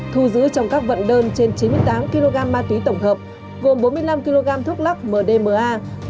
thu giữ trong các vận đơn trên chín mươi tám kg ma túy tổng hợp gồm bốn mươi năm kg thuốc lắc mdma